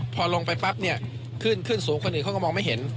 พอลงไปปั๊บเนี่ยขึ้นขึ้นสูงคนอื่นเขาก็มองไม่เห็น